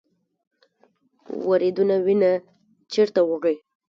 وریدونه وینه چیرته وړي؟